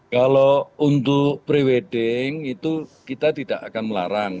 kalau untuk pre wedding itu kita tidak akan melarang